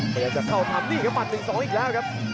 พยายามจะเข้าทำนี่ครับหัด๑๒อีกแล้วครับ